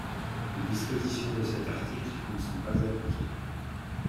» Les dispositions de cet article ne sont pas appliquées.